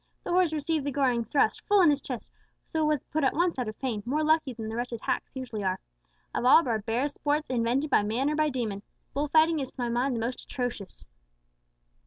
The horse received the goring thrust full in his chest, so was put at once out of pain, more lucky than the wretched hacks usually are. Of all barbarous sports invented by man or by demon, bull fighting is to my mind the most atrocious."